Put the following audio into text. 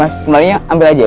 mas kemarinnya ambil aja ya